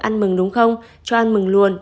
ăn mừng đúng không cho ăn mừng luôn